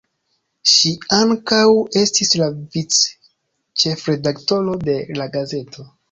Ŝi ankaŭ estis la vic-ĉefredaktoro de la gazeto.